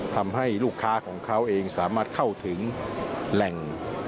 ทำให้ลูกค้าของเขาเองสามารถเข้าถึงแหล่ง